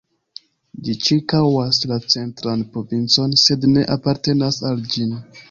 Ĝi ĉirkaŭas la Centran Provincon sed ne apartenas al ĝin.